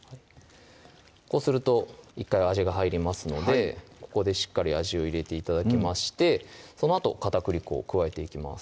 こうすると１回味が入りますのでここでしっかり味を入れて頂きましてそのあと片栗粉を加えていきます